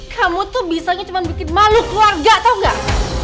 kamu tuh bisanya cuma bikin malu keluarga tau gak